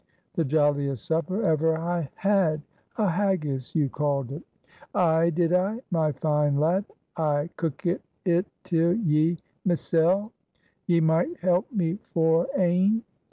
"The jolliest supper ever I had a haggis you called it." "Ay, did I, my fine lad. I cookit it till ye myssel. Ye meicht help me for ane."